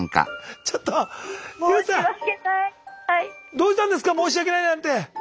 どうしたんですか申し訳ないなんて。